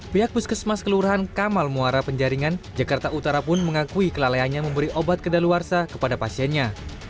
pihak puskesmas kelurahan kamal muara penjaringan jakarta utara pun mengakui kelalaiannya memberi obat kedaluarsa kepada pasiennya